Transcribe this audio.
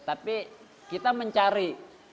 tapi kita mencari